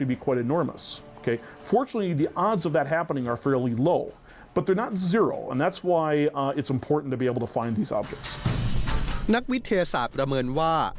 นักวิทยาศาสตร์ดำเนินว่า